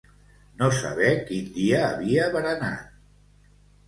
No saber quin dia havia berenat.